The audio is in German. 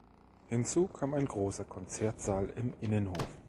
Hinzu kam ein großer Konzertsaal im Innenhof.